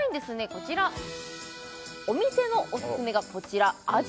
こちらお店のオススメがこちら味